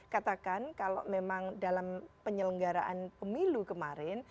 katakan kalau memang dalam penyelenggaraan pemilu kemarin